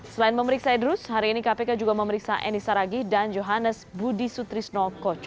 selain memeriksa idrus hari ini kpk juga memeriksa eni saragi dan johannes budi sutrisno koch